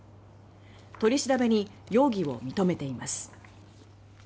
取り調べに容疑を認めています。